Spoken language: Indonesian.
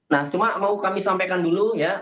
nah cuma mau kami sampaikan dulu ya